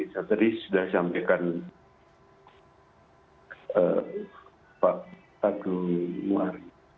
saya tadi sudah sampaikan pak tadung muar